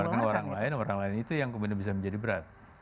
dan menularkan orang lain orang lain itu yang kemudian bisa menjadi berat